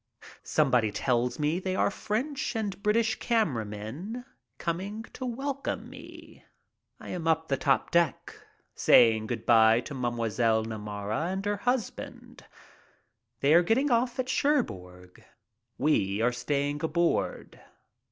Somebody tells me they are French and British camera men coming to welcome me. I am up on the top deck, saying good by to Mme. Namara and her husband. They are getting off at Cherbourg. We are staying aboard.